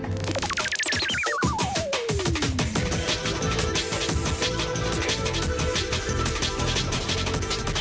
โปรดติดตามตอนต่อไป